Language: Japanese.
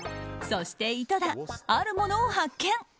そして、井戸田あるものを発見。